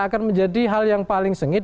akan menjadi hal yang paling sengit